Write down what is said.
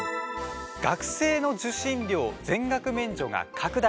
学生の受信料全額免除が拡大。